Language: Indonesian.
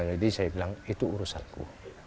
jadi saya bilang itu urusanku